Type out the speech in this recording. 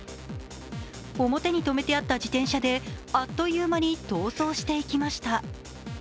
表にとめてあった自転車で、あっという間に逃走していきました。